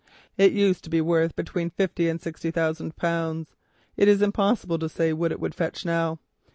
"It used to be worth between fifty and sixty thousand pounds. It is impossible to say what it would fetch now.